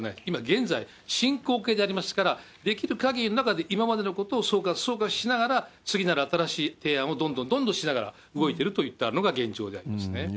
今、現在進行形でありますから、できる限りの中で、今までのことを総括しながら、次なる新しいことをどんどん提案しながら、動いてるといったのが現状でありますね。